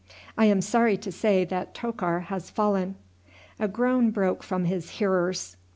I am sorry to say that Tokar has fallen." A groan broke from his hearers.